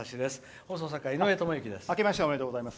放送作家、井上知幸です。